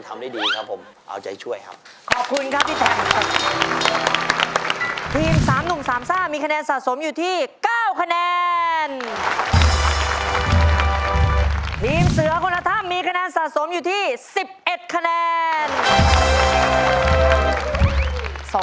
ทีมเสือคนละถ้ำมีคะแนนสะสมอยู่ที่๑๑คะแนน